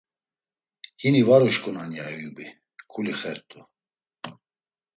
“Hini var uşǩunan.” ya Eyubi, ǩuli xert̆u.